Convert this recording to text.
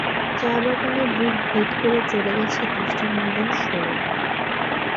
চা বাগানের বুক ভেদ করে চলে গেছে দৃষ্টিনন্দন সড়ক।